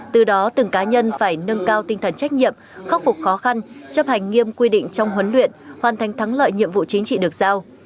từ đó từng cá nhân phải nâng cao tinh thần trách nhiệm khắc phục khó khăn chấp hành nghiêm quy định trong huấn luyện hoàn thành thắng lợi nhiệm vụ chính trị được giao